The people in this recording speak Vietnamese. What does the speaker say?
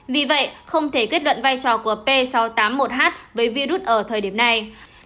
vì vậy không thể kết luận vai trò của p sáu trăm tám mươi một h với virus ở thời điểm này